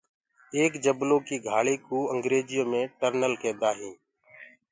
ايڪ جبلو ڪي گھآݪ ڪُو انگريجيو مي ٽنل ڪيندآ هي۔